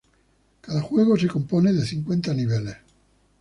Cada juego se compone de cincuenta niveles.